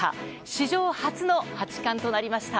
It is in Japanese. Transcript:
史上初の八冠となりました。